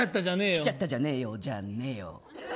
着ちゃったじゃねえよじゃねえよ。